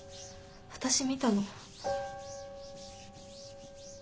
私見たの。